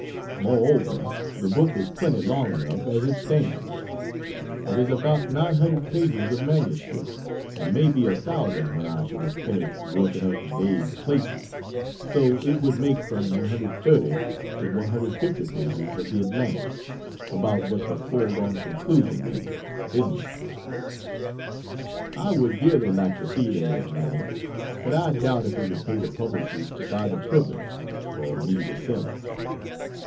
Moreover the book is plenty long enough as it stands. It is about 900 pages of MS, and may be 1000 when I shall have finished "working up" vague places; so it would make from 130 to 150 pages of the Atlantic about what the Foregone Conclusion made, isn't it? I would dearly like to see it in the Atlantic, but I doubt if it would pay the publishers to buy the privilege, or me to sell it.